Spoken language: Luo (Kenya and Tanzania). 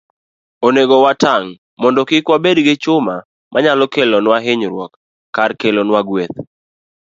Onego watang' mondo kik wabed gi chuma manyalo kelonwa hinyruok kar kelonwa gweth.